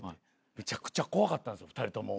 めちゃくちゃ怖かった２人とも。